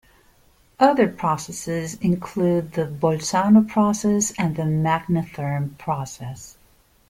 Other processes include the Bolzano process and the magnetherm process.